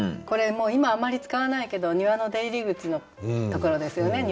これもう今あんまり使わないけど庭の出入り口のところですよね。